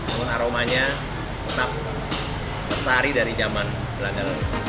namun aromanya tetap lestari dari zaman belanda